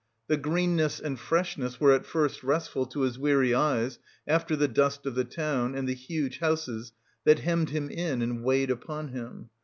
The greenness and freshness were at first restful to his weary eyes after the dust of the town and the huge houses that hemmed him in and weighed upon him.